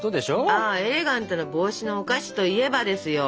ああエレガントな帽子のお菓子といえばですよ。